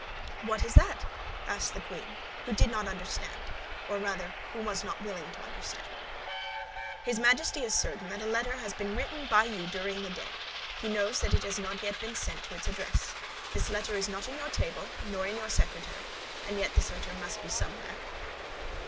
"What is that?" asked the queen, who did not understand, or rather was not willing to understand. "His majesty is certain that a letter has been written by you during the day; he knows that it has not yet been sent to its address. This letter is not in your table nor in your secretary; and yet this letter must be somewhere."